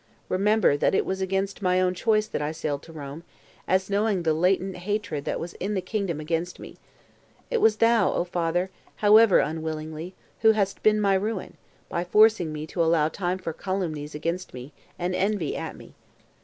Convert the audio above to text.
Remember that it was against my own choice that I sailed [to Rome], as knowing the latent hatred that was in the kingdom against me. It was thou, O father, however unwillingly, who hast been my ruin, by forcing me to allow time for calumnies against me, and envy at me.